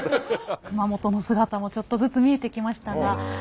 熊本の姿もちょっとずつ見えてきましたが。